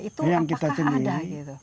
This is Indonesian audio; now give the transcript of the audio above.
itu apakah ada gitu